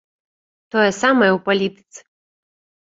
Тое самае ў палітыцы.